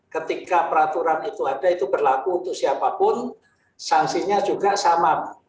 ketika peraturan itu ada itu berlaku untuk siapapun sanksinya juga sama